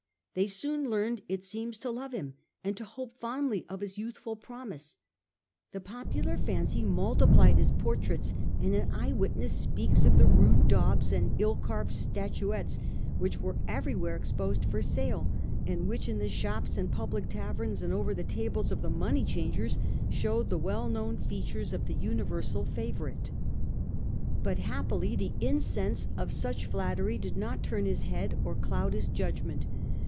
They soon learned, it seems, to love him, and to hope fondly of his youthful promise, did not popular fancy multiplied his portraits, heS^Ahe eyewitness speaks of the rude daubs young and ill carved statuettes which were every pnnee, where exposed for sale, and which, in the shops and public taverns and over the tables of the moneychangers, showed the well known features of the universal favourite. 147 1 8o. Marcus Aurelius Antoninus, 85 But happily the incense of such flattery did not turn his head or cloud his judgment.